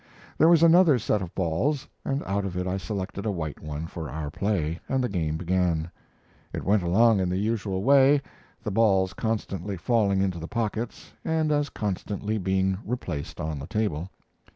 There was another set of balls, and out of it I selected a white one for our play, and the game began. It went along in the usual way, the balls constantly falling into the pockets, and as constantly being replaced on the table.